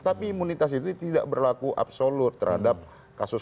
tapi imunitas itu tidak berlaku absolut terhadap kasus